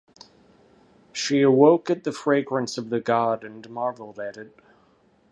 She awoke at the fragrance of the god and marveled at it.